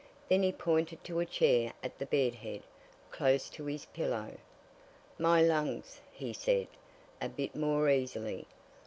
Then he pointed to a chair at the bed head, close to his pillow. "My lungs!" he said, a bit more easily.